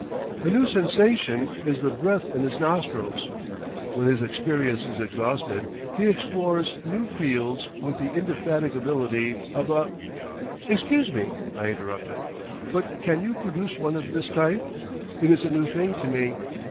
A new sensation is the breath in his nostrils; when his experience is exhausted he explores new fields with the indefatigability of a—" "Excuse me," I interrupted, "but can you produce one of this type? It is a new thing to me.